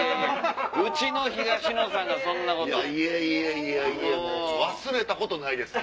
うちの東野さんがそんなこと！